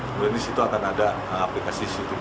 kemudian di situ akan ada aplikasi situbondo